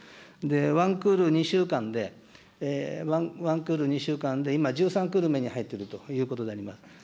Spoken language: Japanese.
１クール２週間で、１クール２週間で、今１３クール目に入っているということであります。